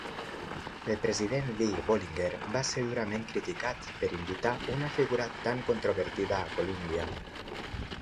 El president Lee Bollinger va ser durament criticat per invitar una figura tan controvertida a Columbia.